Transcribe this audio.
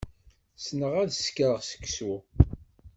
Ssneɣ ad sekreɣ seksu.